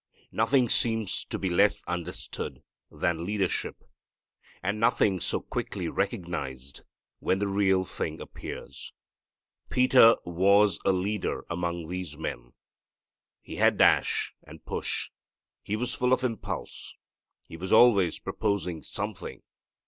Nothing seems to be less understood than leadership; and nothing so quickly recognized when the real thing appears. Peter was a leader among these men. He had dash and push. He was full of impulse. He was always proposing something.